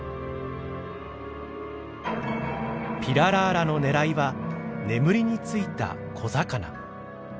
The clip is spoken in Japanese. ピララーラの狙いは眠りについた小魚。